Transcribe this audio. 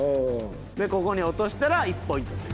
でここに落としたら１ポイントという。